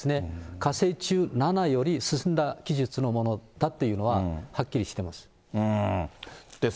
火星１７より進んだ技術のものだというのははっきりしてます。